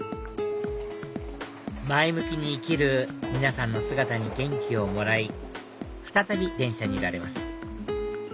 前向きに生きる皆さんの姿に元気をもらい再び電車に揺られます